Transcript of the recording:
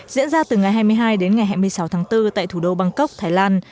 diễn ra từ ngày hai mươi hai đến ngày hai mươi sáu tháng bốn tại thủ đô bangkok thái lan